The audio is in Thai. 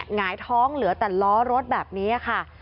หงายท้องเหลือแต่ล้อรถแบบนี้ค่ะ